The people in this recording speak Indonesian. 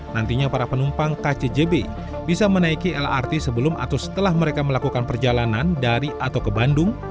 nantinya para penumpang kcjb bisa menaiki lrt sebelum atau setelah mereka melakukan perjalanan dari atau ke bandung